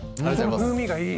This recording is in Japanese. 風味がいい。